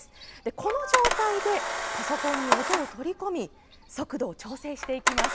この状態でパソコンに音を取り込み速度を調整していきます。